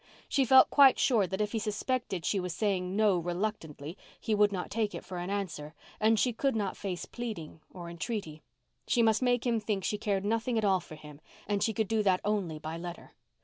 She felt quite sure that if he suspected she was saying "no" reluctantly he would not take it for an answer, and she could not face pleading or entreaty. She must make him think she cared nothing at all for him and she could do that only by letter.